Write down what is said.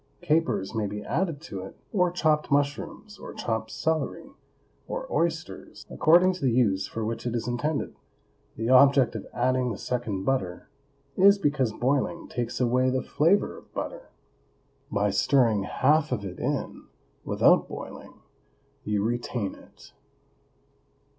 Capers may be added to it, or chopped mushrooms, or chopped celery, or oysters, according to the use for which it is intended. The object of adding the second butter is because boiling takes away the flavor of butter; by stirring half of it in, without boiling, you retain it.